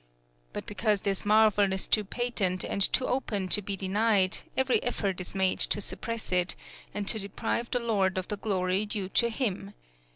_ But because this marvel is too patent and too open to be denied, every effort is made to suppress it, and to deprive the Lord of the glory due to Him.